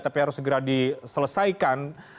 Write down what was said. tapi harus segera diselesaikan